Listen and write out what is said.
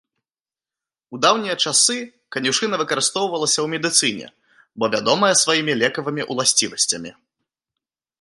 У даўнія часы канюшына выкарыстоўвалася ў медыцыне, бо вядомая сваімі лекавымі ўласцівасцямі.